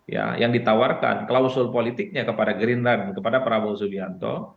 ya yang ditawarkan klausul politiknya kepada gerindra kepada prabowo subianto